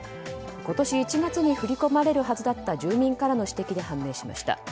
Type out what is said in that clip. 今年１月に振り込まれるはずだった住民からの指摘で判明しました。